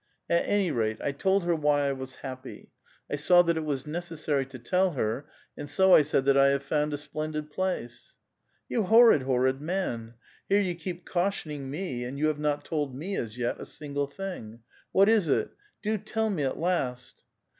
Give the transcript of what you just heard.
At any rate, 1 told her why I was happy ; I saw that it was necessary to tell her, and so 1 said that I have found a splendid place." '^ You horrid, horrid man ! here you keep cautioning me, and you have not told me, as yet, a single thing. What is it? 'Do tell me at last!"